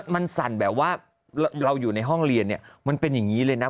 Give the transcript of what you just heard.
มันสั่นแบบว่าเราอยู่ในห้องเรียนเนี่ยมันเป็นอย่างนี้เลยนะ